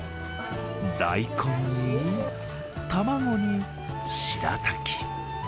大根に、卵に、しらたき。